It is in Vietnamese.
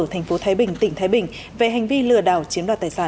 thành phố thái bình tỉnh thái bình về hành vi lừa đảo chiếm đoạt tài sản